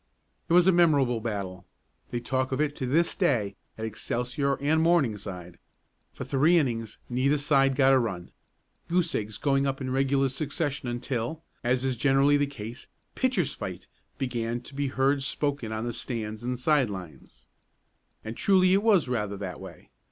It was a memorable battle. They talk of it to this day at Excelsior and Morningside. For three innings neither side got a run, goose eggs going up in regular succession until, as is generally the case "pitchers' fight" began to be heard spoken on the stands and side lines. And truly it was rather that way.